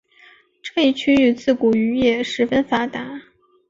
这一区域自古渔业十分发达。